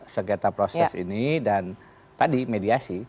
sengketa proses ini dan tadi mediasi